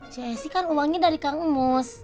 c s i kan uangnya dari kak manus